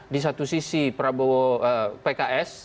di satu sisi prabowo pks